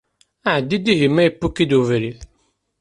Ɛeddi-d ihi ma yewwi-k-id ubrid.